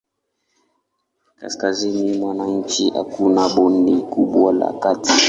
Kaskazini mwa nchi hakuna bonde kubwa la kati.